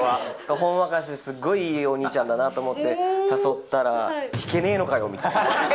ほんわかしてすっごいいいお兄ちゃんだなと思って誘ったら、弾けねーのかよみたいな。